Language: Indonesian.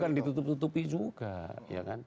bukan ditutup tutupi juga